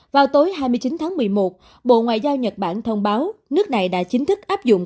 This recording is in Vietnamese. vào tối hai mươi chín tháng một mươi một bộ ngoại giao nhật bản thông báo nước này đã chính thức áp dụng